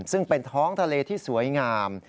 ซึ่งเป็นท้องทะเลที่สวยงาม